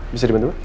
bisa dibantu pak